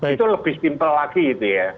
itu lebih simpel lagi itu ya